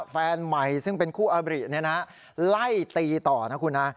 แฟนใหม่ซึ่งเป็นคู่อับริเนี่ยนะฮะไล่ตีต่อนะคุณฮะ